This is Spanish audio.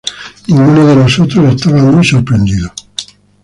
Ninguno de nosotros estaba muy sorprendido.